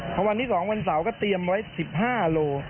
พอวันที่๒วันเสาร์ก็เตรียมไว้๑๕โล